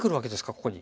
ここに。